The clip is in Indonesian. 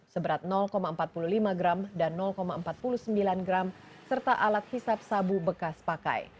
seberat empat puluh lima gram dan empat puluh sembilan gram serta alat hisap sabu bekas pakai